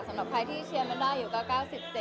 สำหรับใครที่เชียร์มันได้อยู่ก็๙๗